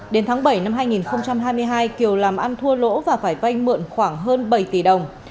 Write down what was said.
đến tháng bảy năm hai nghìn hai mươi hai kiều làm ăn thua lỗ và phải vay mượn khoảng hơn bảy tỷ đồng